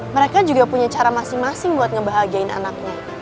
mereka juga punya cara masing masing buat ngebahagiain anaknya